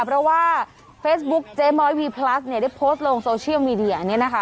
เพราะว่าเฟซบุ๊กเจ๊ม้อยวีพลัสเนี่ยได้โพสต์ลงโซเชียลมีเดีย